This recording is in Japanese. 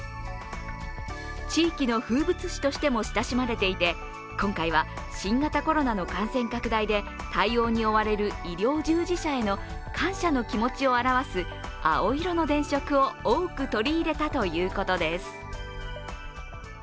地域の風物詩としても親しまれていて、今回は新型コロナの感染拡大で対応に追われる医療従事者への感謝の気持ちを表す青色の電飾を多く取り入れたということです。